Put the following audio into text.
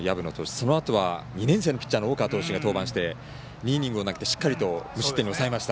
そのあとは２年生の大川投手が登板して、２イニングを投げてしっかりと無失点に抑えました。